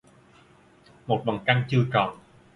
Một vầng trăng chưa tròn!